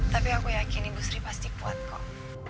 tapi aku yakin ibu sri pasti kuat kok